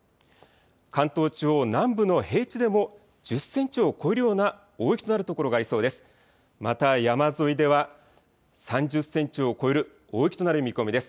関東地方、南部の平地でも１０センチを超えるような大雪となる所がありそうです。